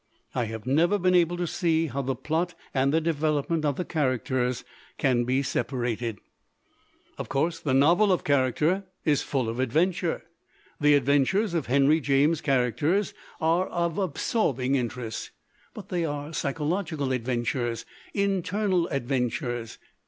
I have never been able to see how the plot and the de velopment of the characters can be separated. "Of course, the novel of character is full of adventure. The adventures of Henry James's characters are of absorbing interest, but they are psychological adventures, internal adventures.